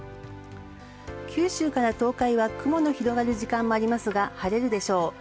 九州から東海は雲の広がる時間もありますが晴れるでしょう。